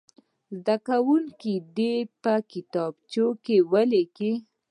زده کوونکي دې یې په کتابچو کې ولیکي.